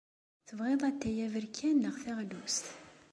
Tebɣiḍ atay aberkan neɣ taɣlust?